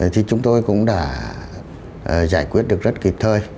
thì chúng tôi cũng đã giải quyết được rất kịp thời